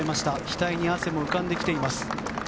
額に汗も浮かんできています。